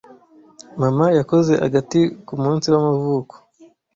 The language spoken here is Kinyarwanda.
Mama yakoze agati kumunsi w'amavuko.